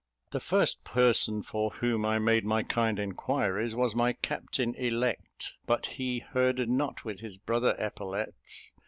The first person for whom I made my kind inquiries was my captain elect; but he herded not with his brother epaulettes.